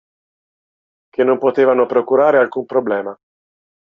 Che non potevano procurare alcun problema.